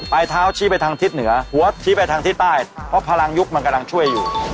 ปลายเท้าชี้ไปทางทิศเหนือหัวชี้ไปทางทิศใต้เพราะพลังยุคมันกำลังช่วยอยู่